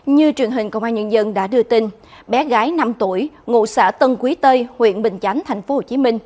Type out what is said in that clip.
như truyền hình công an nhân dân đã đưa tin bé gái năm tuổi ngụ xã tân quý tây huyện bình chánh tp hcm